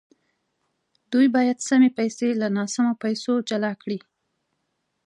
دوی باید سمې پیسې له ناسمو پیسو جلا کړي